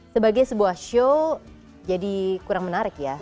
sebagai sebuah show jadi kurang menarik ya